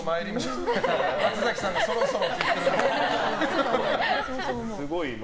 松崎さんがそろそろって言ってます。